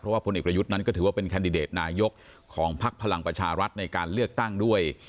พลเอกประยุทธ์นั้นก็ถือว่าเป็นแคนดิเดตนายกของพักพลังประชารัฐในการเลือกตั้งด้วย